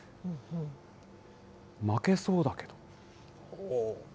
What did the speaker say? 負けそうだけど。